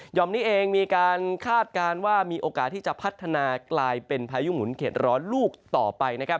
่อมนี้เองมีการคาดการณ์ว่ามีโอกาสที่จะพัฒนากลายเป็นพายุหมุนเข็ดร้อนลูกต่อไปนะครับ